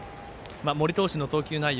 森投手の投球内容